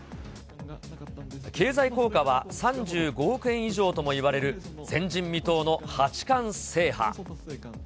経済効果は３５億円以上ともいわれる前人未到の八冠制覇。